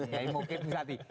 mbak moket misati